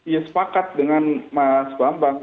ya sepakat dengan mas bambang